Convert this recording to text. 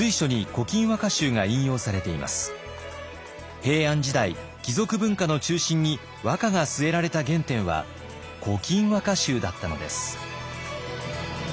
平安時代貴族文化の中心に和歌が据えられた原点は「古今和歌集」だったのです。